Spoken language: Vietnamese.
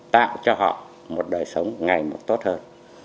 tạo cho họ một đời sống ngày một tốt hơn